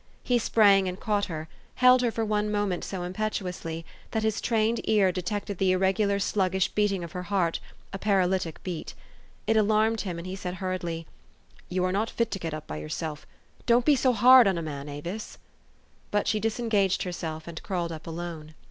He sprang and caught her ; held her for one moment so impetuously, that his trained ear detected the irregular, sluggish beat ing of her heart, a paratytic beat. It alarmed him, and he said hurriedly, " You are not fit to get up by yourself. Don't be so hard on a man, Avis !" But she disengaged herself, and crawled up alone.